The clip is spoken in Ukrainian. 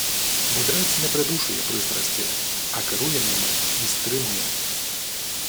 Мудрець не придушує пристрасті, а керує ними і стримує.